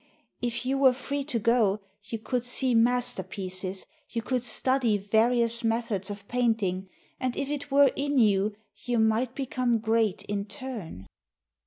"If you were free to go, you could see masterpieces, you could study various methods of painting, and if it were in you, you might become great in turn."